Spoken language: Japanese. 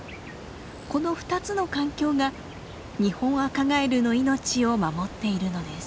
この２つの環境がニホンアカガエルの命を守っているのです。